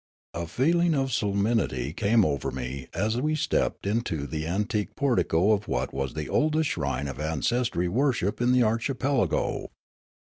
A feeling of solemnity crept over me, as we stepped into the antique portico of what was the oldest shrine of ancestry wor ship in the archipelago.